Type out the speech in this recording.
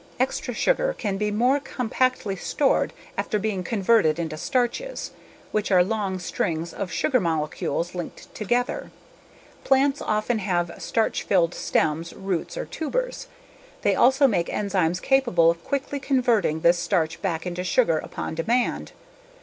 Extra sugar can be more compactly stored after being converted into starches, which are long strings of sugar molecules linked together. Plants often have starch filled stems, roots, or tubers; they also make enzymes capable of quickly converting this starch back into sugar upon demand.